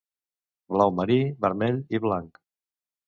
Blau marí, vermell i blanc.